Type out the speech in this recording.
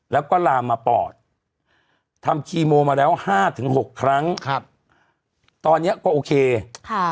แล้วก็ลามมาปอดทำคีโมมาแล้วห้าถึงหกครั้งครับตอนเนี้ยก็โอเคค่ะ